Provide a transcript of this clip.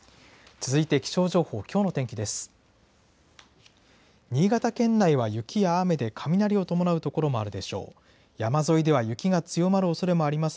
続いて気象情報、きょうの天気です。